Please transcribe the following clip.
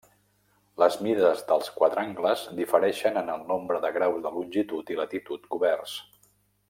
Les mides dels quadrangles difereixen en el nombre de graus de longitud i latitud coberts.